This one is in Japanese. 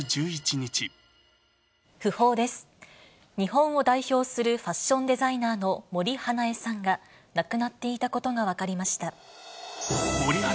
日本を代表するファッションデザイナーの森英恵さんが亡くなっていたことが分かりました。